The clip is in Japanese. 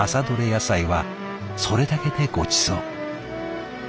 野菜はそれだけでごちそう。